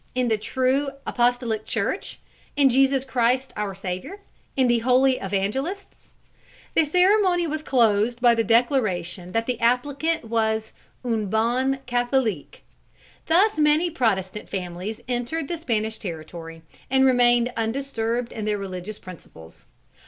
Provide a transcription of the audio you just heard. in the true Apostolic Church? in Jesus Christ our Saviour? in the Holy Evangelists?" The ceremony was closed by the declaration that the applicant was un bon Catholique. Thus many Protestant families entered the Spanish territory, and remained undisturbed in their religious principles.